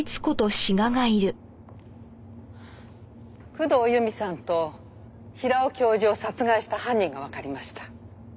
工藤由美さんと平尾教授を殺害した犯人がわかりました。